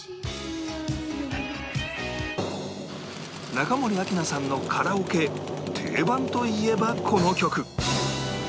中森明菜さんのカラオケ定番といえばこの曲